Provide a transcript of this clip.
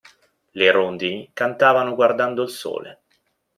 Le rondini cantavano guardando il sole.